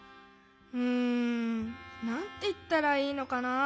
うんなんていったらいいのかな。